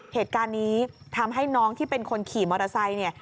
เหตุการณ์นี้ทำให้น้องที่เป็นคนขี่มอเตอร์ไซค์เนี่ย